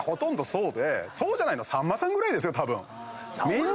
そうじゃないのさんまさんぐらいですよたぶん。